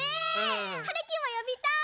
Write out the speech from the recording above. はるきもよびたい！